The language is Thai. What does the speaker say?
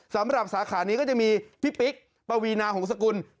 สำหรับสาขานี้ก็จะมีพี่ปิ๊กปวีนาห่งสกุล